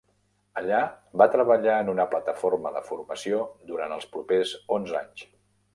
Allà va treballar en una plataforma de formació durant els propers onze anys.